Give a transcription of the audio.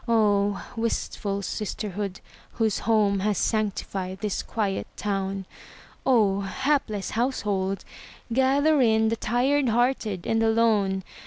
Oh, wistful sisterhood, whose home Has sanctified this quiet town! Oh, hapless household, gather in The tired hearted and the lone!